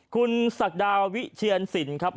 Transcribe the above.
คุณศักดาวิเชียนสินครับ